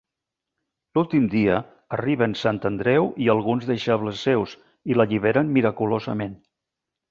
L'últim dia arriben Sant Andreu i alguns deixebles seus i l'alliberen miraculosament.